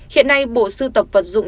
hiện nay bộ sưu tập vật dụng